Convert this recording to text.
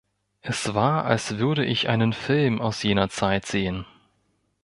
Es war, als würde ich einen Film aus jener Zeit sehen.